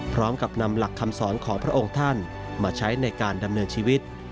พร้อมกับนำหลักคำสอนของพระองค์ท่านมาใช้ในการดำเนินชีวิต